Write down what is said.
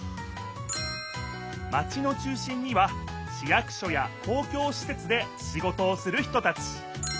マチの中心には市役所やこうきょうしせつでシゴトをする人たち。